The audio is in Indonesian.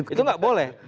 itu nggak boleh